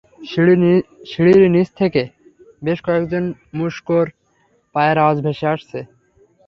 সিঁড়ির নিচ দিক থেকে বেশ কয়েকজন মুশকোর পায়ের আওয়াজ ভেসে আসছে।